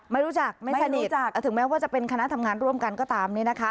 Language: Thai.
ไม่รู้จักถึงแม้ว่าจะเป็นคณะทำงานร่วมกันก็ตามนี้นะคะ